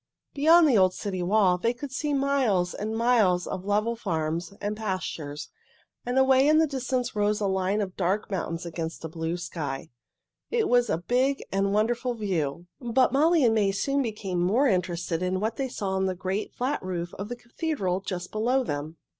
Beyond the old city wall they could see miles and miles of level farms and pastures, and away in the distance rose a line of dark mountains against a blue sky. It was a big and wonderful view, but Molly and May soon became more interested in what they saw on the great, flat roof of the cathedral just below them.